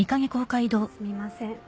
すみません